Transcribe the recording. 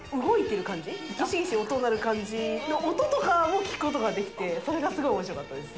ギシギシ音鳴る感じの音とかも聞く事ができてそれがすごい面白かったです。